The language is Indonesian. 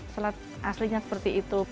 slat aslinya seperti itu